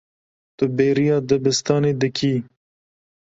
Tu bêriya dibistanê dikî.